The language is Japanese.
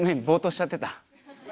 ボーッとしちゃってた。